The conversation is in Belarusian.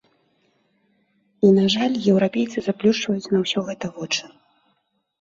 І, на жаль, еўрапейцы заплюшчваюць на ўсё гэта вочы.